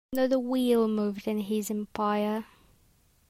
Not a wheel moved in his empire.